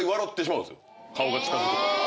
顔が近づくと。